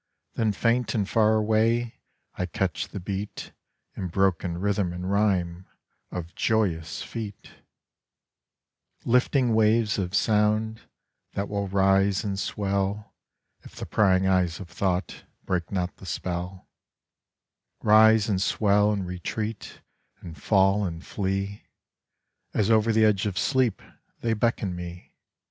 Then faint and far awayI catch the beatIn broken rhythm and rhymeOf joyous feet,—Lifting waves of soundThat will rise and swell(If the prying eyes of thoughtBreak not the spell),Rise and swell and retreatAnd fall and flee, As over the edge of sleepThey beckon me.